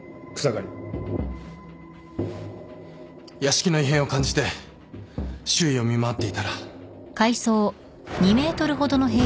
屋敷の異変を感じて周囲を見回っていたら。